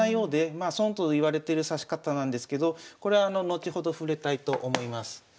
まあ損といわれてる指し方なんですけどこれあの後ほど触れたいと思います。